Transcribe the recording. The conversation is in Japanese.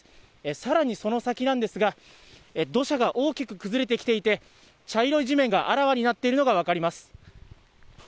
さらにその先なんですが、土砂が大きく崩れてきていて、茶色い地面があらわになっているのが分かります。